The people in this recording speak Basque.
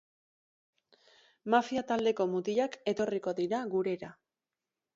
Mafia taldeko mutilak etorriko dira gurera.